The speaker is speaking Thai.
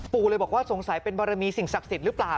เลยบอกว่าสงสัยเป็นบารมีสิ่งศักดิ์สิทธิ์หรือเปล่า